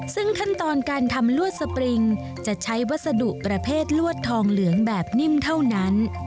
ซึ่งขั้นตอนการทำลวดสปริงจะใช้วัสดุประเภทลวดทองเหลืองแบบนิ่มเท่านั้น